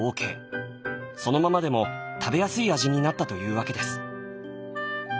そのままでも食べやすい味になったというわけです。